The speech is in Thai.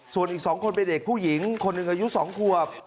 ส่วนอีก๒คนเป็นเด็กผู้หญิงคนหนึ่งอายุ๒ขวบ